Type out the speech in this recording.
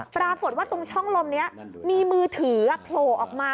ปรากฏว่าตรงช่องลมนี้มีมือถือโผล่ออกมา